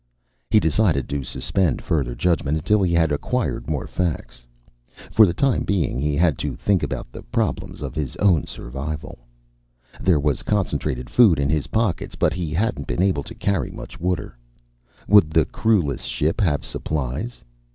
He decided to suspend further judgment until he had acquired more facts. For the time being, he had to think about the problems of his own survival. There was concentrated food in his pockets, but he hadn't been able to carry much water. Would the crewless ship have supplies?